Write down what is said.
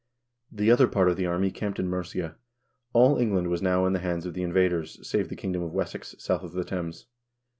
The other part of the army camped in Mercia. All Eng land was now in the hands of the invaders, save the kingdom of Wes sex, south of the Thames.